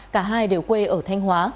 cả hai đều quê ở thanh hóa